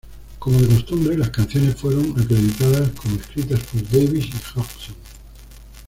Como de costumbre, las canciones fueron acreditadas como escritas por Davies y Hodgson.